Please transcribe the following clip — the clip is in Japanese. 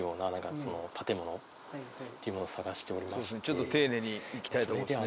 ちょっと丁寧にいきたいところですね。